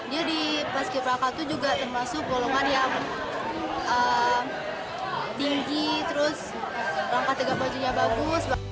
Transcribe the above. dia di paski beraka itu juga termasuk golongan yang tinggi terus langkah tegak bajunya bagus